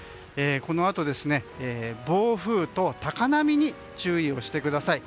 このあと、暴風と高波に注意をしてください。